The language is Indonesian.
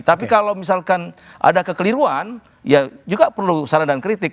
tapi kalau misalkan ada kekeliruan ya juga perlu saran dan kritik